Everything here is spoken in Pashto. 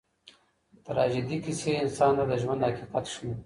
تراژیدي کیسې انسان ته د ژوند حقیقت ښیي.